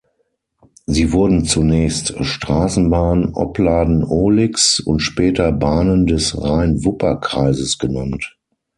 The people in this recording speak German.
Sie wurden zunächst Straßenbahn Opladen-Ohligs und später Bahnen des Rhein-Wupper-Kreises genannt.